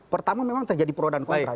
pertama memang terjadi peronan kontra